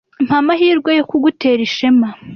Mpa amahirwe yo kugutera ishema.